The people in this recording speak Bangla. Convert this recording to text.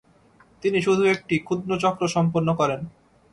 তিনি শুধু একটি ক্ষুদ্র চক্র সম্পন্ন করেন।